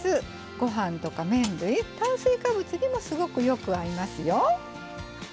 ごはんとか麺類炭水化物にもすごくよく合いますよ。